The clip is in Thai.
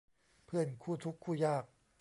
เพื่อนคู่ทุกข์คู่ยาก